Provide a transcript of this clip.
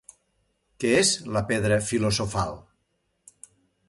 Què és la pedra filosofal?